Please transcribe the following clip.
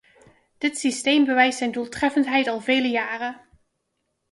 Dit systeem bewijst zijn doeltreffendheid al vele jaren.